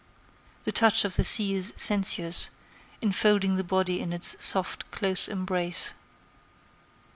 The touch of the sea is sensuous, enfolding the body in its soft, close embrace.